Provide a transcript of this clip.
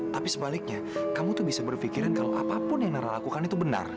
tapi sebaliknya kamu tuh bisa berpikiran kalau apapun yang nara lakukan itu benar